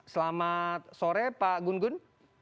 selamat sore pak gun gun